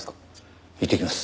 行ってきます。